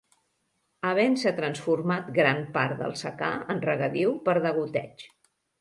Havent-se transformat gran part del secà en regadiu per degoteig.